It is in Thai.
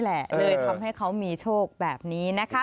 เลยทำให้เขามีโชคแบบนี้นะคะ